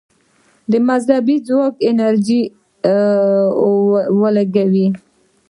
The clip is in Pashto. د مذهبي ځواکونو انرژي ولګوي.